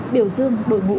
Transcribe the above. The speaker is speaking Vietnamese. biểu dương đội ngũ